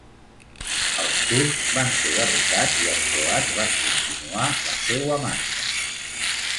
Els turcs van ser derrotats i els croats van continuar la seua marxa.